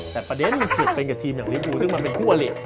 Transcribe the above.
แต่ประเด็นมันเกิดเป็นกับทีมอย่างลิฟยูซึ่งมันเป็นคู่อลิ